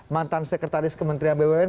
mantan sekretaris kementerian bumn